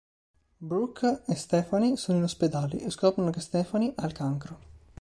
Brooke e Stephanie sono in ospedale e scoprono che Stephanie ha il cancro.